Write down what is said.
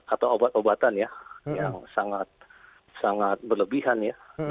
atau obat obatan ya yang sangat berlebihan ya